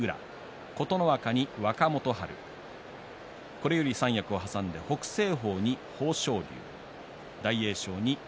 これより三役を挟んで北青鵬に豊昇龍。